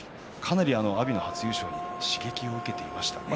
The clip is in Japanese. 阿炎が初優勝に刺激を受けていましたね。